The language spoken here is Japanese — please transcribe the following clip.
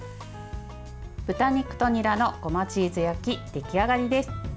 豚肉とにらのごまチーズ焼き出来上がりです。